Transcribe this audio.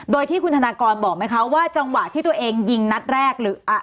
โดยที่คุณธนากรบอกไหมคะว่าจังหวะที่ตัวเองยิงนัดแรกหรืออ่ะ